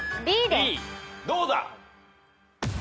どうだ？